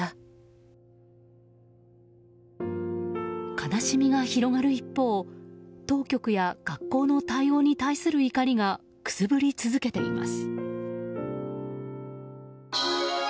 悲しみが広がる一方当局や学校の対応に対する怒りがくすぶり続けています。